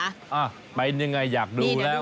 อ้าวไปยังไงอยากดูแล้ว